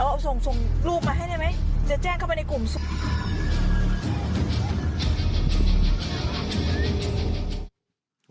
เอาส่งส่งรูปมาให้ได้ไหมจะแจ้งเข้าไปในกลุ่มส่วน